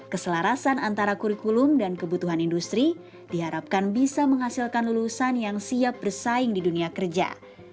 keselarasan antara kurikulum dan kebutuhan industri diharapkan bisa menghasilkan lulusan yang siap bersaing di dunia kerja